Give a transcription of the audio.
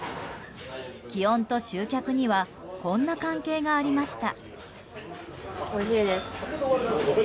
気温と集客にはこんな関係がありました。